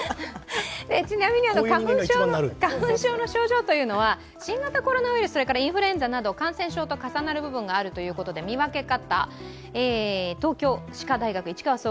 ちなみに花粉症の症状というのは新型コロナウイルスやインフルエンザなど感染症と重なる部分があるということで、見分け方。